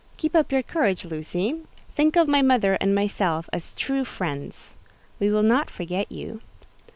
"Keep up your courage, Lucy. Think of my mother and myself as true friends. We will not forget you."